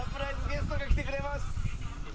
ゲストが来てくれます！